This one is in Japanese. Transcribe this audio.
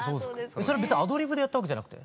それ別にアドリブでやったわけじゃなくて？